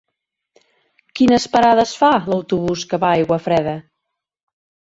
Quines parades fa l'autobús que va a Aiguafreda?